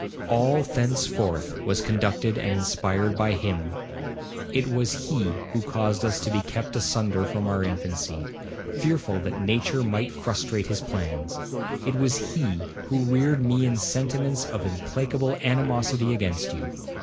All thenceforth was conducted and inspired by him. It was he who caused us to be kept asunder from our infancy, fearful that nature might frustrate his plans,—it was he who reared me in sentiments of implacable animosity against you.